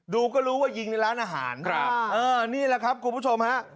ดูก็รู้ว่ายิงในร้านอาหารครับเออนี่แหละครับคุณผู้ชมฮะ